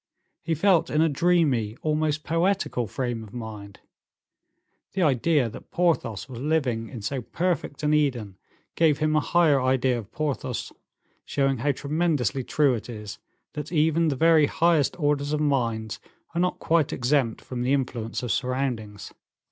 He felt in a dreamy, almost poetical, frame of mind. The idea that Porthos was living in so perfect an Eden gave him a higher idea of Porthos, showing how tremendously true it is, that even the very highest orders of minds are not quite exempt from the influence of surroundings.